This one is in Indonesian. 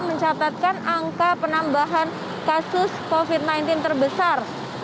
mencatatkan angka penambahan kasus covid sembilan belas terbesar